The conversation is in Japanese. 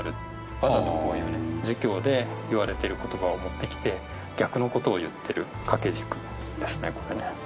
わざとこういうね儒教で言われている言葉を持ってきて逆の事を言ってる掛け軸ですねこれね。